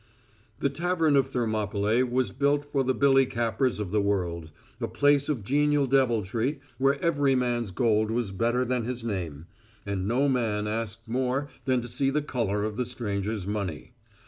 The Tavern of Thermopylæ was built for the Billy Cappers of the world a place of genial deviltry where every man's gold was better than his name, and no man asked more than to see the color of the stranger's money.